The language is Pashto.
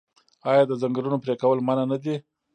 آیا د ځنګلونو پرې کول منع نه دي؟